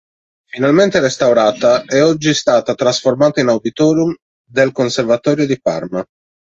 Finalmente restaurata, è oggi stata trasformata in auditorium del Conservatorio di Parma.